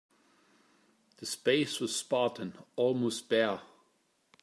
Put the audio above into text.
The space was spartan, almost bare.